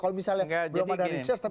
kalau misalnya belum ada research tapi terasa